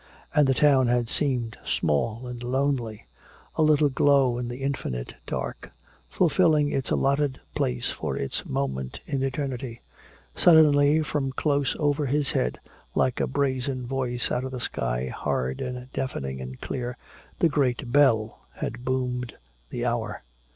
And the town had seemed small and lonely, a little glow in the infinite dark, fulfilling its allotted place for its moment in eternity. Suddenly from close over his head like a brazen voice out of the sky, hard and deafening and clear, the great bell had boomed the hour.